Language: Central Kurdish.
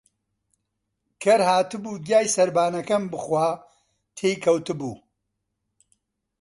کەر هاتبوو گیای سەربانەکەم بخوا، تێکەوتبوو